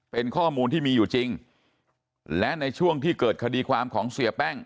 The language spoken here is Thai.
เป็นข้อมูลที่มีอยู่จริงและในช่วงที่เกิดคดีความของเสียแป้ง